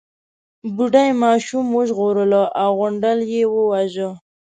بوډۍ ماشوم وژغورلو او غونډل يې وواژه.